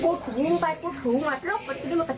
กุดหูหวิ่งไปกุดหูหวัดลด